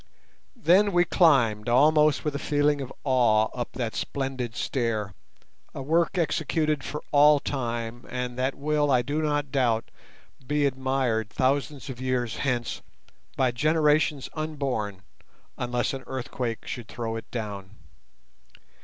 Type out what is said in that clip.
Then we climbed almost with a feeling of awe up that splendid stair, a work executed for all time and that will, I do not doubt, be admired thousands of years hence by generations unborn unless an earthquake should throw it down.